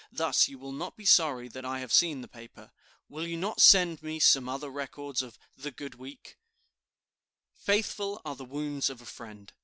Thus you will not be sorry that I have seen the paper. Will you not send me some other records of the good week?" "Faithful are the wounds of a friend."